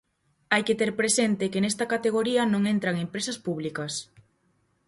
Hai que ter presente que nesta categoría non entran empresas públicas.